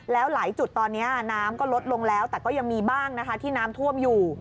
แล้วหลายจุดตอนนี้น้ำก็ลดลงแล้วแต่ก็ยังมีบ้างนะคะที่น้ำท่วมอยู่